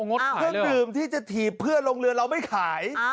เครื่องดื่มที่จะถีบเพื่อนลงเรือเราไม่ขาย